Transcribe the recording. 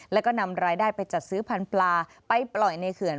แล้วก็นำรายได้ไปจัดซื้อพันธุ์ปลาไปปล่อยในเขื่อน